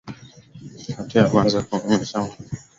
hatua ya kwanza ni kuhamisha wazo kutoka kichwa